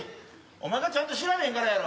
お前がちゃんと調べへんからやろ。